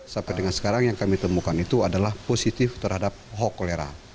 sampai dengan sekarang yang kami temukan itu adalah positif terhadap hok kolera